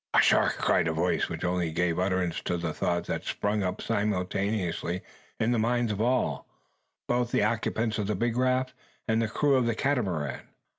"A shark!" cried a voice, which only gave utterance to the thought that sprung up simultaneously in the minds of all, both the occupants of the big raft, and the crew of the Catamaran.